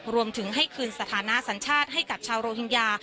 รวมถึงให้คืนสถานะสัญชาติให้กับชาวโรฮิงญา